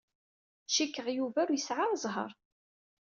Cikkeɣ Yuba ur yesɛi ara zzheṛ.